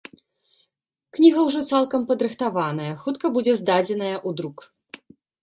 Кніга ўжо цалкам падрыхтаваная, хутка будзе здадзеная ў друк.